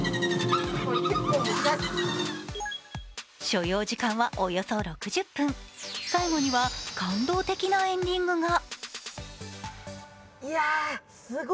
所要時間はおよそ６０分、最後には感動的なエンディングが。